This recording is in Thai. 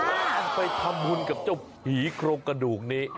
ท่านไปทำบุญกับเจ้าผีโครงกระดูกนี้